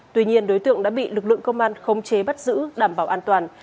tuy nhiên đối tượng đã bị lực lượng công an khống chế bắt giữ đảm bảo an toàn